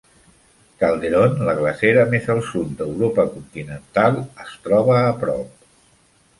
Calderone, la glacera més al sud d'Europa continental, es troba a prop.